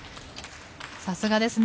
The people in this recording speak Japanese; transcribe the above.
さすがですね